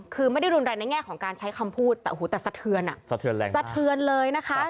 คือไม่ได้รุนแรงในแง่ของการใช้คำพูดแต่สะเทือนเลยนะคะ